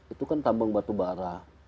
itu kan tambang batu bara